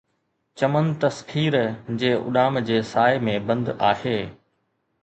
چمن تسخير جي اڏام جي سائي ۾ بند آهي